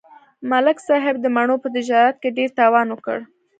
ملک صاحب د مڼو په تجارت کې ډېر تاوان وکړ.